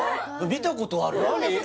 見たことある何？